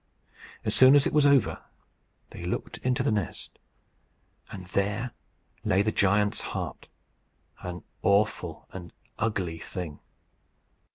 As soon as it was over, they looked into the nest, and there lay the giant's heart an awful and ugly thing.